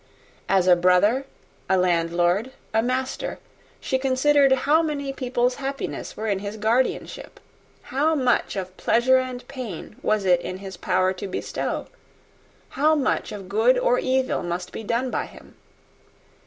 As a brother, a landlord, a master, she considered how many people's happiness were in his guardianship! How much of pleasure or pain it was in his power to bestow! How much of good or evil must be done by him!